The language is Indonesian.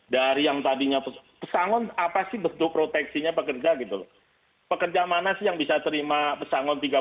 dari yang tadinya pesangon apa sih betul proteksinya pekerja gitu pekerja mana sih yang bisa terima pesangon tiga puluh dua x gaji